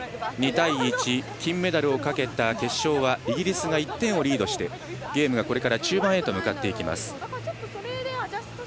２対１、金メダルをかけた決勝はイギリスが１点をリードしてゲームはこれから中盤へ向かっていきます。